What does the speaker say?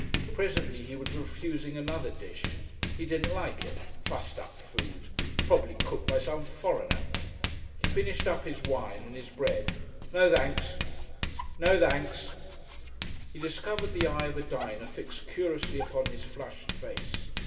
Presently he was refusing another dish. He didn't like it fussed up food! Probably cooked by some foreigner. He finished up his wine and his bread. "No, thenks." "No, thenks."... He discovered the eye of a diner fixed curiously upon his flushed face.